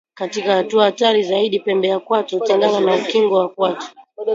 Katika hatua hatari zaidi pembe ya kwato hutengana na ukingo wa kwato